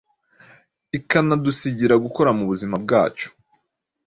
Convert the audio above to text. ikanadusigira gukora mu buzima bwacu.